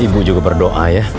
ibu juga berdoa ya